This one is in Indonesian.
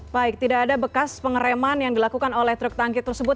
baik tidak ada bekas pengereman yang dilakukan oleh truk tangki tersebut